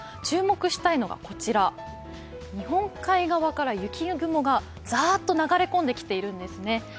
注目したいのがこちら、日本海側から雪雲がざーっと流れ込んできているんですね。